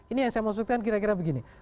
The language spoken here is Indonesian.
ini yang saya maksudkan kira kira begini